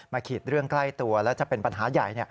ขีดเรื่องใกล้ตัวแล้วจะเป็นปัญหาใหญ่